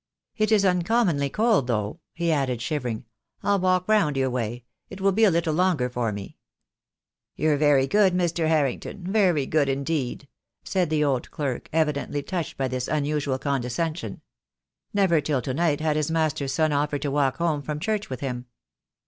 "It is uncommonly cold though," he added, shivering. "I'll walk round your way. It will be a little longer for me." "You're very good, Mr. Harrington, very good in deed," said the old clerk, evidently touched by this un usual condescension. Never till to night had his master's son offered to walk home from church with him.